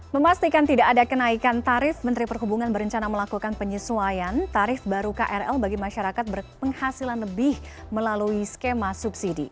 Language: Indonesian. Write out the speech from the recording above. memastikan tidak ada kenaikan tarif menteri perhubungan berencana melakukan penyesuaian tarif baru krl bagi masyarakat berpenghasilan lebih melalui skema subsidi